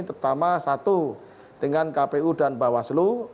terutama satu dengan kpu dan bawaslu